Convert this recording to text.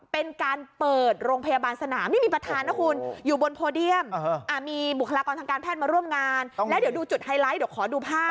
เป็นการเปิดโรงพยาบาลสนามนี่มีประธานนะคุณอยู่บนโพเดียมมีบุคลากรทางการแพทย์มาร่วมงานแล้วเดี๋ยวดูจุดไฮไลท์เดี๋ยวขอดูภาพ